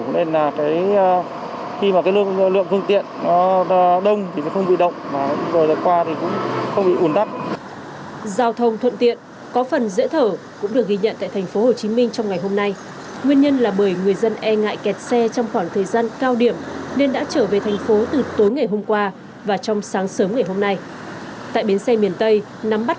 nên là khi lượng phương tiện đông thì sẽ không bị động và lần qua thì cũng không bị ủn tắt